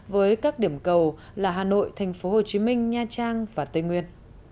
với các điểm cầu là hà nội tp hcm nha trang và tây nguyên